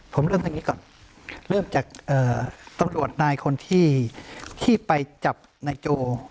ผมเริ่มตรงนี้ก่อนเริ่มจากตำรวจนายคนที่ไปจับนายโจ